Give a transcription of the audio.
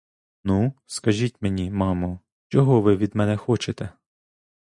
Ну, скажіть мені, мамо: чого ви від мене хочете?